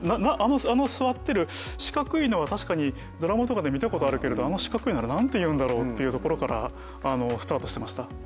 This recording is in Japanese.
あの座ってる四角いのは確かにドラマとかで見たことあるけれどあの四角いのは何ていうんだろうっていうところからスタートしてました。